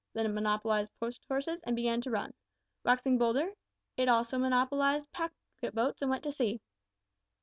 Then it monopolised post horses and began to run. Waxing bolder, it also monopolised packet boats and went to sea.